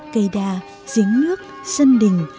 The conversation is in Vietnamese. cây đa giếng nước dân đình